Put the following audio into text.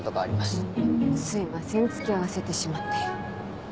すいません付き合わせてしまって。